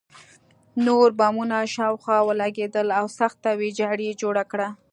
نور بمونه شاوخوا ولګېدل او سخته ویجاړي یې جوړه کړه